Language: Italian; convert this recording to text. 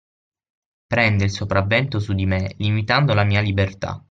Prende il sopravvento su di me limitando la mia libertà.